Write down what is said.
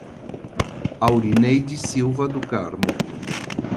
Aurineide Silva do Carmo